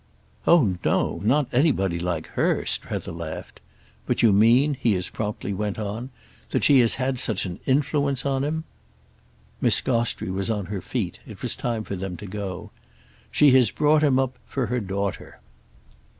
"Oh no—not anybody like her!" Strether laughed. "But you mean," he as promptly went on, "that she has had such an influence on him?" Miss Gostrey was on her feet; it was time for them to go. "She has brought him up for her daughter."